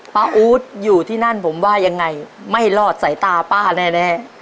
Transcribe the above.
อู๊ดอยู่ที่นั่นผมว่ายังไงไม่รอดสายตาป้าแน่